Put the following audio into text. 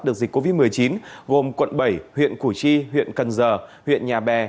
đợt dịch covid một mươi chín gồm quận bảy huyện củ chi huyện cần giờ huyện nhà bè